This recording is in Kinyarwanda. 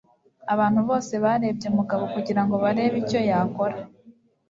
Abantu bose barebye Mugabo kugirango barebe icyo yakora.